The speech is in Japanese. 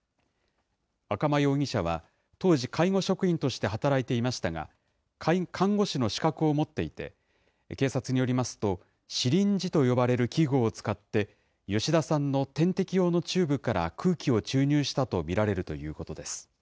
赤間容疑者は当時、介護職員として働いていましたが、看護師の資格を持っていて、警察によりますと、シリンジと呼ばれる器具を使って、吉田さんの点滴用のチューブから空気を注入したと見られるということです。